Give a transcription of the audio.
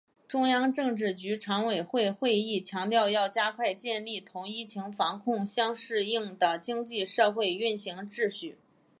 中央政治局常委会会议强调要加快建立同疫情防控相适应的经济社会运行秩序